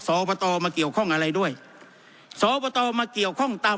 อบตมาเกี่ยวข้องอะไรด้วยสอบตมาเกี่ยวข้องตาม